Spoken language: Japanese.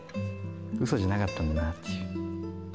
うそじゃなかったんだっていう。